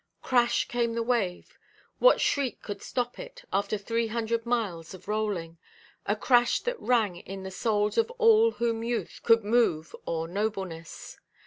Crash came the wave—what shriek should stop it, after three hundred miles of rolling?—a crash that rang in the souls of all whom youth could move or nobleness.